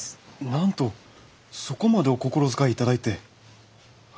なんとそこまでお心遣い頂いて。